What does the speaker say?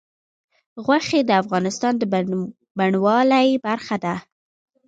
غوښې د افغانستان د بڼوالۍ برخه ده.